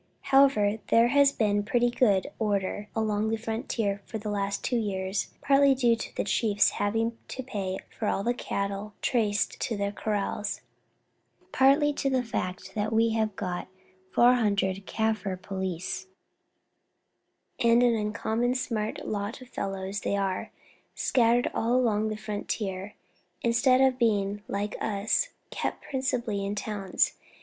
However, there has been pretty good order along the frontier for the last two years, partly due to the chiefs having to pay for all cattle traced to their kraals, partly to the fact that we have got four hundred Kaffir police and an uncommon smart lot of fellows they are scattered all along the frontier, instead of being, like us, kept principally in towns.